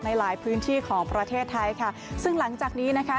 ในหลายพื้นที่ของประเทศไทยค่ะซึ่งหลังจากนี้นะคะ